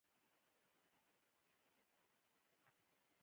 غصه او قهر، یعني د نورو د غلطۍ سزا ځانته ورکول!